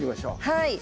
はい。